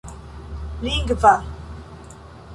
lingva